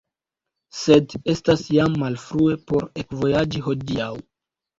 Sed estas jam malfrue por ekvojaĝi hodiaŭ.